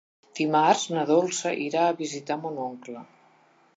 Dimarts na Dolça irà a visitar mon oncle.